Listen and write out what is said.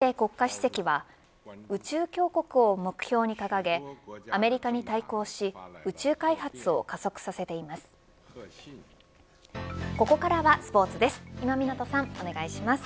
３期目に入った習近平国家主席は宇宙強国を目標に掲げアメリカに対抗し宇宙開発を加速させています。